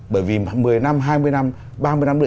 bởi vì một mươi năm hai mươi năm ba mươi năm nữa